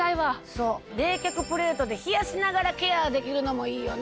そう冷却プレートで冷やしながらケアできるのもいいよね。